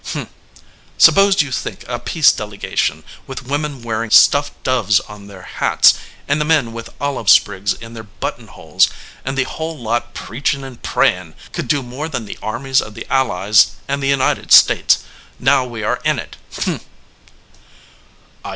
"H m! Suppose you think a peace delegation, with the women wearing stuffed doves on their hats, and the men with olive sprigs in their buttonholes, and the whole lot preaching and praying, could do more than the armies of the Allies and the United States, now we are in it. H m!"